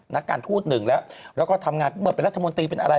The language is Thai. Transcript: นักการทูตหนึ่งแล้วแล้วก็ทำงานเมื่อเป็นรัฐมนตรีเป็นอะไร